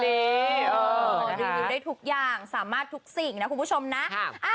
ดูได้ทุกอย่างสามารถทุกสิ่งนะคุณผู้ชมนะ